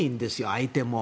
相手も。